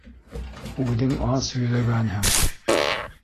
Үҙең ас йөҙәгәнһең.